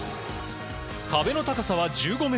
壁の高さは１５ｍ。